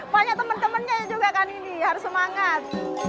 banyak temen temennya juga kan ini harus semangat